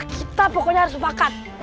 kita pokoknya harus berpakat